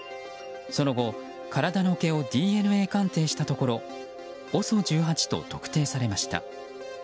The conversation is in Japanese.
その後、体の毛をＤＮＡ鑑定したところＯＳＯ１８と特定されました。